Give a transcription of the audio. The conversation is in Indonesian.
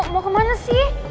mau kemana sih